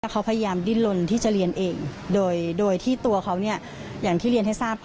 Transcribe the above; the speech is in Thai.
เขาพยายามดินลนที่จะเรียนเองโดยที่ตัวเขาเนี่ย